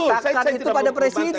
meletakkan itu pada presiden